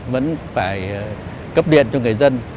vẫn phải cấp điện cho người dân